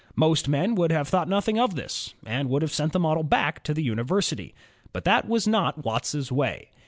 Most men would have thought nothing of this, and would have sent the model back to the university. But that was not Watt's way.